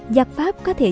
giặc pháp có thể